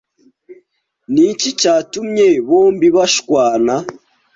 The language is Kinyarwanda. Niki cyatumye bombi bashwana